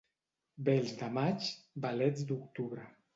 Bels de maig, belets d'octubre.